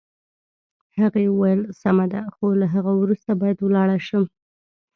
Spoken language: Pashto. هغې وویل: سمه ده، خو له هغه وروسته باید ولاړه شم.